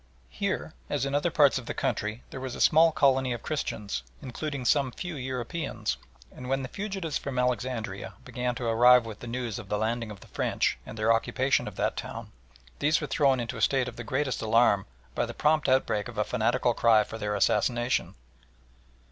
Here as in other parts of the country there was a small colony of Christians, including some few Europeans, and when the fugitives from Alexandria began to arrive with the news of the landing of the French and their occupation of that town, these were thrown into a state of the greatest alarm by the prompt outbreak of a fanatical cry for their assassination.